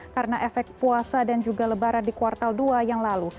karena efek puasa dan juga lebaran di kuartal dua yang lalu